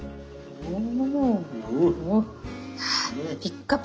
うん。